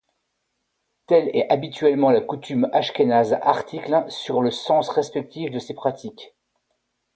Telle est habituellement la coutume ashkénaze article sur le sens respectif de ces pratiques.